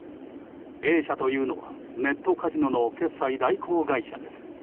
Ａ社というのはネットカジノの決済代行会社です。